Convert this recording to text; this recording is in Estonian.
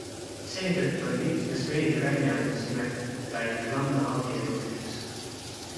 Seetõttu on mitmes meediaväljaandes nimetatud teda inglanna abielumeheks.